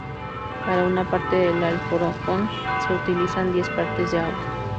Para una parte del alforfón, se utilizan diez partes de agua.